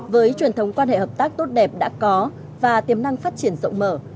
với truyền thống quan hệ hợp tác tốt đẹp đã có và tiềm năng phát triển rộng mở